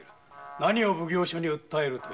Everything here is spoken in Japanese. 何を奉行所に訴えるというのだ？